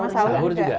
sama saur juga